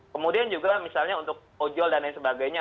kemudian juga misalnya untuk ojol dan lain sebagainya